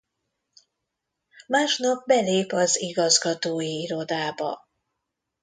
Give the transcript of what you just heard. Másnap belép az igazgatói irodába.